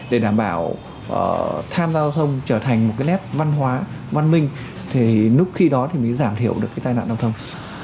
để đảm bảo tham gia giao thông trở thành một cái nét văn hóa văn minh thì lúc khi đó thì mới giảm thiểu được cái tai nạn giao thông